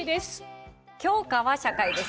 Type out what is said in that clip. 教科は社会です。